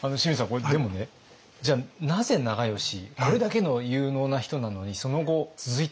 これでもねじゃあなぜ長慶これだけの有能な人なのにその後続いてないんですか？